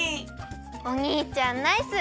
おにいちゃんナイス！